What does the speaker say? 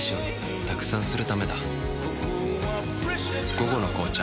「午後の紅茶」